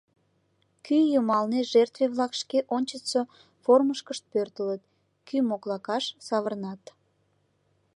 Кӱ йымалне жертве-влак шке ончычсо формышкышт пӧртылыт – кӱ моклакаш савырнат.